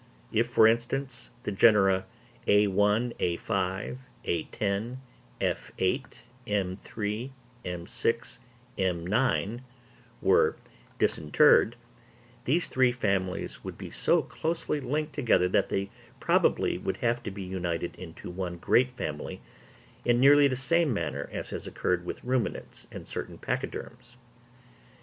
If, for instance, the genera _a_1, _a_5, _a_10, _f_8, _m_3, _m_6, _m_9, were disinterred, these three families would be so closely linked together that they probably would have to be united into one great family, in nearly the same manner as has occurred with ruminants and certain pachyderms.